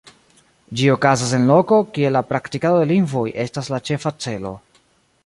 Ĝi okazas en loko, kie la praktikado de lingvoj estas la ĉefa celo.